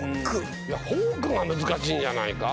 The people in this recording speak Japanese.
「フォーク」が難しいんじゃないか？